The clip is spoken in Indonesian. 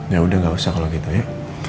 yaudah gausah kalo gitu ya